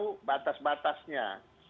harus tahu batas batasnya